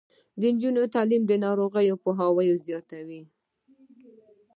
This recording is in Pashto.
د نجونو تعلیم د ناروغیو پوهاوي زیاتوي.